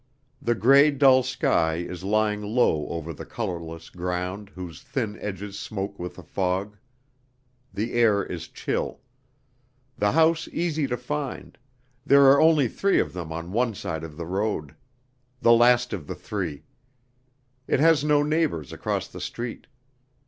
The gray dull sky is lying low over the colorless ground whose thin edges smoke with the fog. The air is chill. The house easy to find: there are only three of them on one side of the road. The last of the three; it has no neighbor across the street.